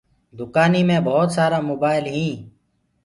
دُڪآنيٚ مي ڀوت سآرآ موبآئل هينٚ